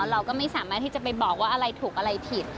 เราก็ไม่สามารถที่จะไปบอกว่าอะไรถูกอะไรผิด